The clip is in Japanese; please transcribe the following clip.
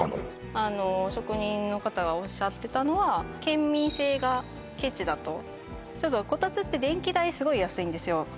あの職人の方がおっしゃってたのは県民性がケチだとこたつって電気代スゴい安いんですよ